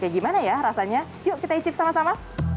gimana rasanya yuk kita icip sama sama